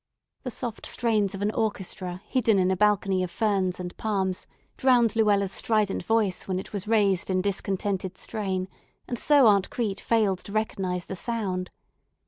The soft strains of an orchestra hidden in a balcony of ferns and palms drowned Luella's strident voice when it was raised in discontented strain, and so Aunt Crete failed to recognize the sound.